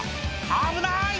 危ない！